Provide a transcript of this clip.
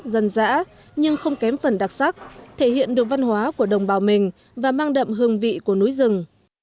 dân dã nhưng không kém phần đặc sắc thể hiện được văn hóa của đồng bào mình và mang đậm hương vị của núi rừng